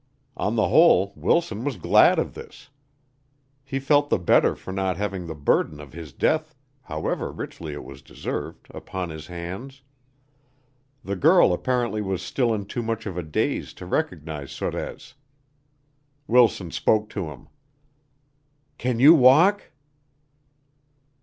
On the whole, Wilson was glad of this. He felt the better for not having the burden of his death, however richly it was deserved, upon his hands. The girl apparently was still in too much of a daze to recognize Sorez. Wilson spoke to him. "Can you walk?"